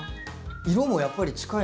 色もやっぱり近いので。